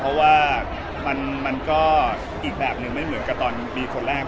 เพราะว่ามันก็อีกแบบหนึ่งไม่เหมือนกับตอนมีคนแรก